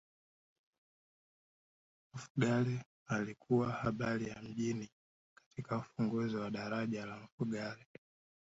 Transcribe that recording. mfugale alikuwa habari ya mjini katika ufunguzi wa daraja la mfugale